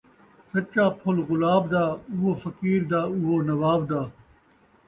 سچا پھل غلاب دا، اوہو فقیر دا ، اوہو نواب دا